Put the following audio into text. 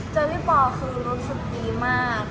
เจอพี่ปอคือรู้สึกดีมาก